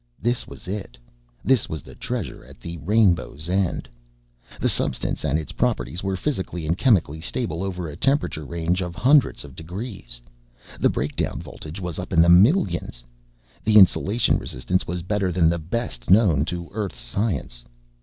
This was it! This was the treasure at the rainbow's end. The substance and its properties were physically and chemically stable over a temperature range of hundreds of degrees. The breakdown voltage was up in the millions. The insulation resistance was better than the best known to Earth's science.